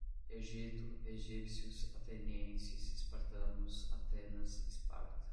Egito, egípcios, atenienses, espartanos, Atenas, Esparta